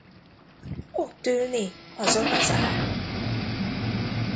Ott ül ni, azon az ágon!